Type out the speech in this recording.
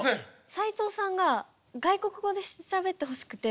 斉藤さんが外国語でしゃべってほしくて。